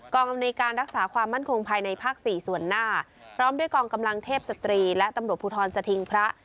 อำนวยการรักษาความมั่นคงภายในภาคสี่ส่วนหน้าพร้อมด้วยกองกำลังเทพสตรีและตำรวจภูทรสถิงพระ